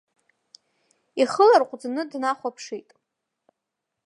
Ихы ларҟәӡаны днахәаԥшит.